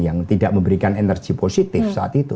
yang tidak memberikan energi positif saat itu